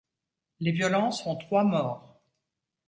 Les violences font trois morts.